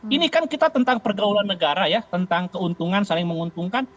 ini kan kita tentang pergaulan negara ya tentang keuntungan saling menguntungkan